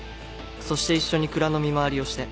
そして一緒に蔵の見回りをして。